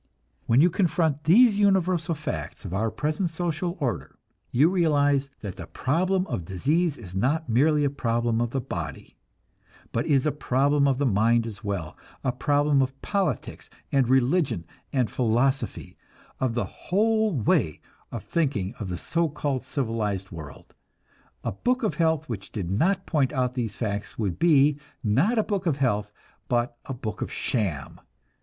When you confront these universal facts of our present social order, you realize that the problem of disease is not merely a problem of the body, but is a problem of the mind as well; a problem of politics and religion and philosophy, of the whole way of thinking of the so called civilized world. A book of health which did not point out these facts would be, not a book of health, but a book of sham.